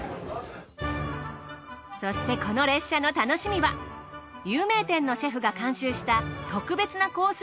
そしてこの列車の楽しみは有名店のシェフが監修した特別なコース